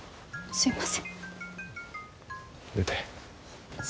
すいません。